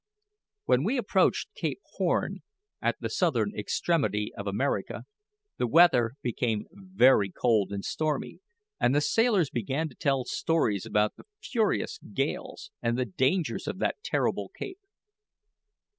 When we approached Cape Horn, at the southern extremity of America, the weather became very cold and stormy, and the sailors began to tell stories about the furious gales and the dangers of that terrible cape.